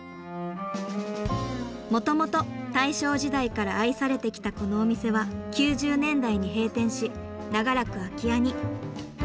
もともと大正時代から愛されてきたこのお店は９０年代に閉店し長らく空き家に。